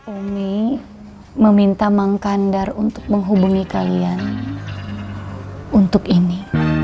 kami meminta mang kandar untuk menghubungi kalian untuk ini